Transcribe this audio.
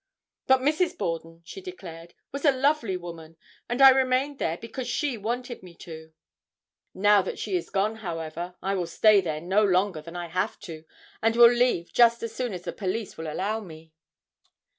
"But Mrs. Borden," she declared, "was a lovely woman, and I remained there because she wanted me to. Now that she is gone, however, I will stay there no longer than I have to, and will leave just as soon as the police will allow me."